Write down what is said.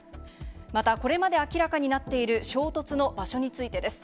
またこれまで明らかになっている衝突の場所についてです。